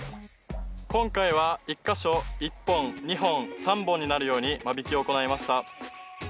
今回は１か所１本２本３本になるように間引きを行いました。